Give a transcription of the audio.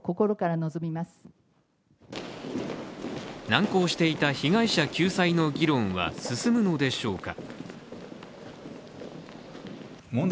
難航していた被害者救済の議論は進むのでしょうか。